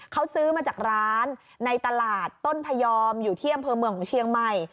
เขาซื้อมาจากร้านในตลาดต้นพยอมอยู่ที่อำเภอเมืองของเชียงใหม่